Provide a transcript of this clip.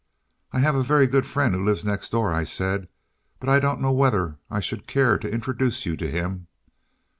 "I have a very great friend who lives next door," I said; "but I don't know whether I should care to introduce you to him."